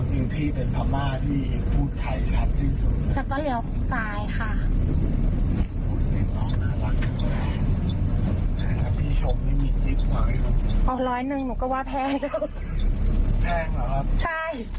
คุณผู้ชมผู้เสียหายเนี่ยเขาถ่ายคลิปเอาไว้ได้เดี๋ยวฟังกันหน่อยค่ะ